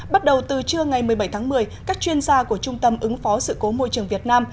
bắt đầu từ trưa ngày một mươi bảy tháng một mươi các chuyên gia của trung tâm ứng phó sự cố môi trường việt nam